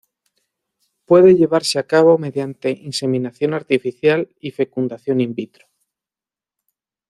Puede llevarse a cabo mediante inseminación artificial y fecundación in vitro.